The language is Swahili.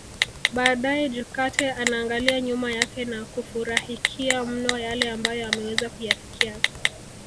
Baadae Jokate anaangalia nyuma yake na kufurahikia mno yale ambayo ameweza kuyafikia